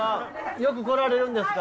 よく来られるんですか？